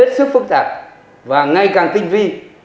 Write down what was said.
hết sức phức tạp và ngay càng tinh vi